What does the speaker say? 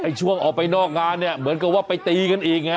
ช่วงออกไปนอกงานเนี่ยเหมือนกับว่าไปตีกันอีกไง